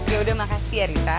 yaudah makasih ya risa